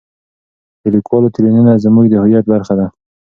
د لیکوالو تلینونه زموږ د هویت برخه ده.